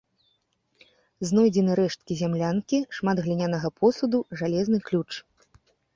Знойдзены рэшткі зямлянкі, шмат глінянага посуду, жалезны ключ.